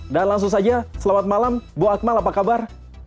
dan langsung saja selamat malam bu akmal apa kabar